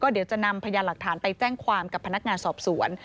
เดี๋ยวจะนำพยานหลักฐานไปแจ้งความกับพนักงานสอบสวน